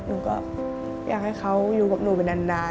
หนูก็อยากให้เขาอยู่กับหนูไปนาน